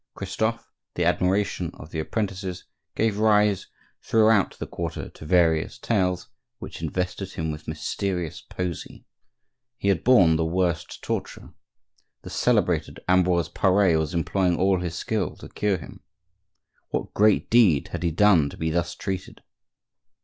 Christophe, the admiration of the apprentices, gave rise throughout the quarter to various tales, which invested him with mysterious poesy. He had borne the worst torture; the celebrated Ambroise Pare was employing all his skill to cure him. What great deed had he done to be thus treated?